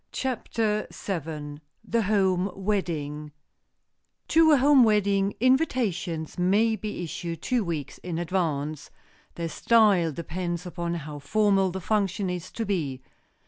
CHAPTER VII THE HOME WEDDING TO a home wedding, invitations may be issued two weeks in advance. Their style depends upon how formal the function is to be.